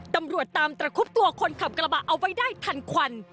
ตำรวจตามตระคุบตัวคนขับกระบะเอาไว้ได้ทันควัน